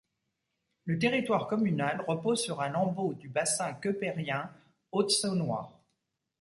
Le territoire communal repose sur un lambeau du bassin keupérien Haute-Saônois.